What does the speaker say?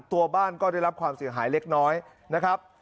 ตัวบ้านก็ได้รับความเสียหายเล็กน้อยนะครับ